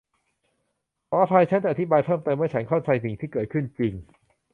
ขออภัยฉันจะอธิบายเพิ่มเติมเมื่อฉันเข้าใจสิ่งที่เกิดขึ้นจริง